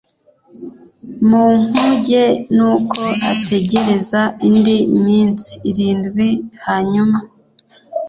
mu nkuge Nuko ategereza indi minsi irindwi hanyuma